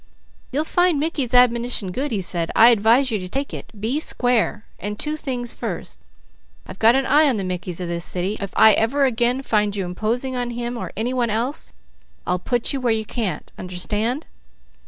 "You'll find Mickey's admonition good," he said. "I advise you to take it. 'Be square!' And two things: first, I've got an eye on the Mickeys of this city. If I ever again find you imposing on him or any one else, I'll put you where you can't. Understand?